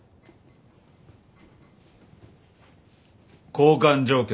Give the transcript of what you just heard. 交換条件